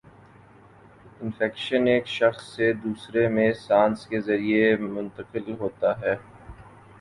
infection ایک شخص سے دوسرے میں سانس کے ذریعے منتقل ہوتا ہے